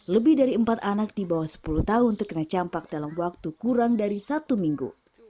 lebih dari empat anak di bawah sepuluh tahun terkena campak dalam waktu kurang dari satu minggu